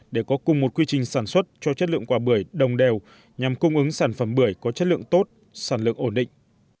để có cùng một quy trình sản xuất cho chất lượng quả bưởi đồng đều nhằm cung ứng sản phẩm bưởi có chất lượng tốt sản lượng ổn định